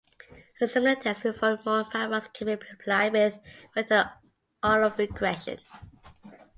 A similar test involving more variables can be applied with vector autoregression.